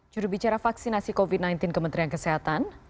juru bicara vaksinasi covid sembilan belas kementerian kesehatan